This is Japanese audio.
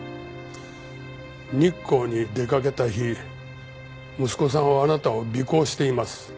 日光に出かけた日息子さんはあなたを尾行しています。